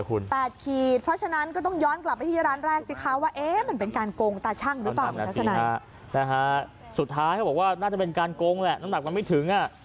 สุดท้ายเขาบอกว่าน่าจะเป็นการโกงแหละน้ำหนักมันไม่ถึง